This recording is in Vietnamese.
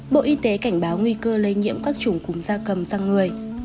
bộ y tế cảnh báo nguy cơ lây nhiễm các chủng cúm da cầm sang người